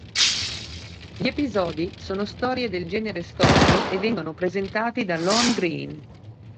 Gli episodi sono storie del genere storico e vengono presentati da Lorne Greene.